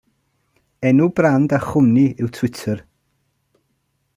Enw brand a chwmni yw Twitter.